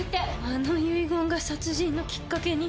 「あの遺言が殺人のきっかけに？」